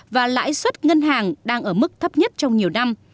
và lãi suất ngân hàng đang ở mức thấp nhất trong nhiều năm